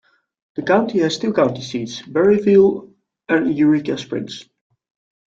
The county has two county seats, Berryville and Eureka Springs.